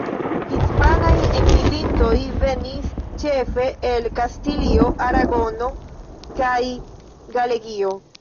Hispanaj enmigrintoj venis ĉefe el Kastilio, Aragono kaj Galegio.